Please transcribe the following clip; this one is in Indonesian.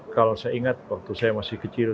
kalau saya ingat waktu saya masih kecil